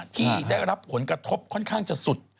ที่ได้รับผลกระทบค่อนข้างจะสุด